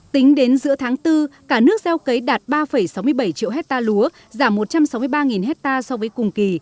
tính đến giữa tháng bốn cả nước gieo cấy đạt ba sáu mươi bảy triệu hectare lúa giảm một trăm sáu mươi ba hectare so với cùng kỳ